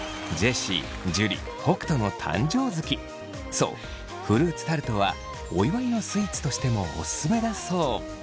そうフルーツタルトはお祝いのスイーツとしてもオススメだそう。